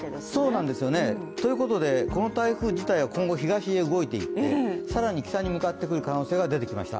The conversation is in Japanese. そうなんですよね、ということでこの台風自体は今後、東へ動いていって更に北に向かっていく可能性が出てきました。